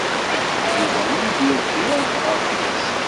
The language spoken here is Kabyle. Yuba ur d-yerfid ara aqerruy-is.